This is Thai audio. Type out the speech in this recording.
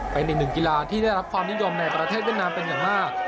เป็นอีกหนึ่งกีฬาที่ได้รับความนิยมในประเทศเวียดนามเป็นอย่างมาก